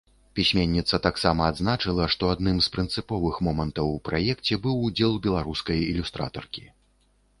Пісьменніца таксама адзначыла, што адным з прынцыповых момантаў у праекце быў удзел беларускай ілюстратаркі.